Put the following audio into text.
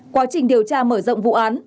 quá trình điều tra mở rộng vụ án